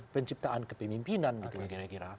penciptaan kepemimpinan gitu